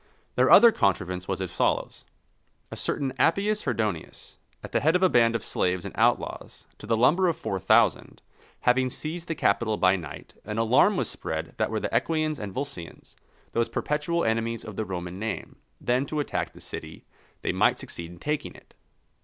Their other contrivance was as follows: A certain Appius Herdonius, at the head of a band of slaves and outlaws, to the number of four thousand, having seized the Capitol by night, an alarm was spread that were the Equians and Volscians, those perpetual enemies of the Roman name, then to attack the city, they might succeed in taking it.